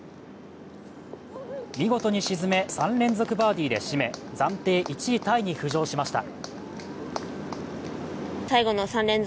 見事に沈め３連続バーディーで締め暫定１位タイに浮上しました。